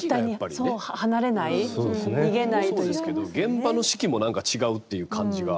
それもそうですけど現場の士気も何か違うっていう感じが。